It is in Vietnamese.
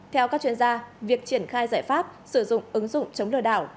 theo các chuyên gia việc triển khai giải pháp sử dụng ứng dụng chống lừa đảo